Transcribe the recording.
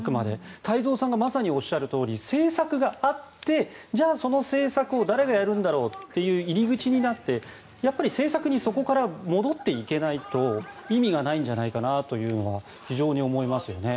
太蔵さんがまさにおっしゃるとおり政策があって、じゃあその政策を誰がやるんだろうという入り口になって、やっぱり政策にそこから戻っていけないと意味がないんじゃないかなというのは非常に思いますよね。